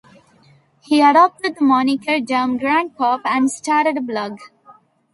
He adopted the moniker "Dorm Grandpop" and started a "blog".